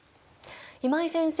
今井先生